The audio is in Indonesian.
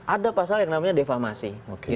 ada pasal yang namanya defamasi